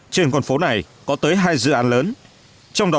trên con phố này có tới hai dự án lớn